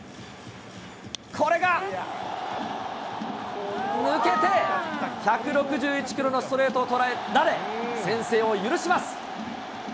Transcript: これが抜けて、１６１キロのストレートを捉えられ、先制を許します。